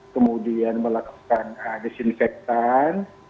kemudian melakukan desinfektan